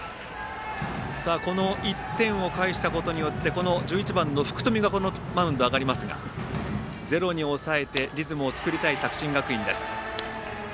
この１点を返したことによって１１番の福冨がマウンドに上がりますがゼロに抑えてリズムを作りたい作新学院です。